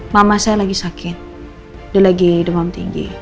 mama saya lagi sakit dia lagi demam tinggi